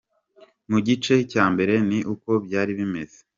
Mu gice cya mbere ni uko byari bimeze.